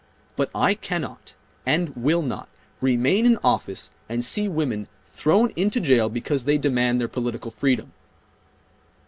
But I cannot and will not remain in office and see women thrown into jail because they demand their political freedom."